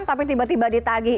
tapi tiba tiba ditagih